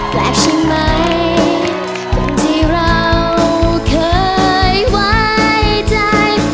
แปลกใช่ไหมที่เราเคยไว้ใจ